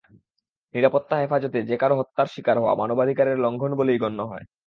নিরাপত্তা হেফাজতে যে কারও হত্যার শিকার হওয়া মানবাধিকারের লঙ্ঘন বলেই গণ্য হয়।